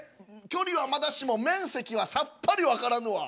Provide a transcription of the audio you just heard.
距離はまだしも面積はさっぱりわからぬわ。